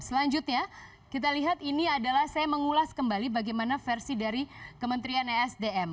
selanjutnya kita lihat ini adalah saya mengulas kembali bagaimana versi dari kementerian esdm